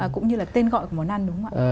cũng như là tên gọi của món ăn đúng không ạ